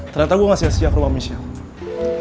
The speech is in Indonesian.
ternyata gue gak siap siap rumah michelle